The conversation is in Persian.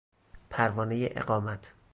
پروانهی اقامت